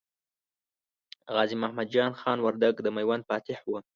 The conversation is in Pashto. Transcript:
غازي محمد جان خان وردګ د میوند فاتح و.